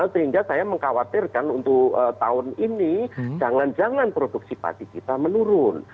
sehingga saya mengkhawatirkan untuk tahun ini jangan jangan produksi pasti kita menurun